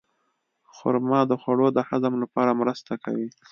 خرما د خوړو د هضم لپاره مرسته کوي.